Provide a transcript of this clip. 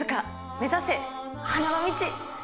目指せ、花の道！